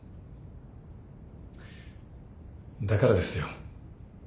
だからですよ。